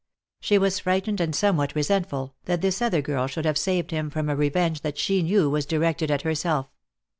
She was frightened and somewhat resentful, that this other girl should have saved him from a revenge that she knew was directed at herself.